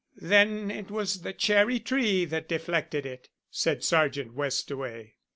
"Then it was the cherry tree that deflected it?" said Sergeant Westaway.